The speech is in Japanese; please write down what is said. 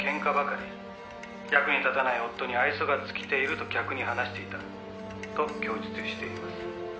「役に立たない夫に愛想が尽きていると客に話していたと供述しています。